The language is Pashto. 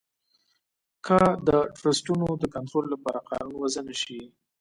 که د ټرسټونو د کنترول لپاره قانون وضعه نه شي.